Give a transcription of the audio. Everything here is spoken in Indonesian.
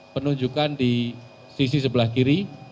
penunjukan di sisi sebelah kiri